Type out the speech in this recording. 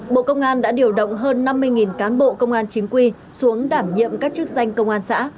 bộ công an đã điều động hơn năm mươi cán bộ công an chính quy xuống đảm nhiệm các chức danh công an xã